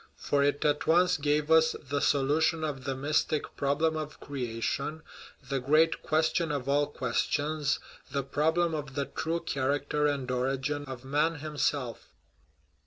For it at once gave us the solution of the mystic " problem of crea tion," the great " question of all questions " the prob lem of the true character and origin of man himself.